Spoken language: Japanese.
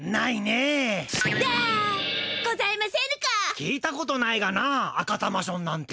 聞いたことないがなアカタマションなんて。